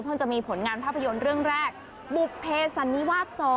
จะมีผลงานภาพยนตร์เรื่องแรกบุภเพสันนิวาส๒